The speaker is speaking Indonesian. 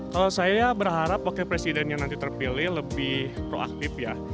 kalau saya berharap wakil presidennya nanti terpilih lebih proaktif ya